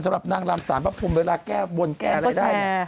สำหรับนางลำสารพระพรมเวลาแก้บ้วนแก้อะไรได้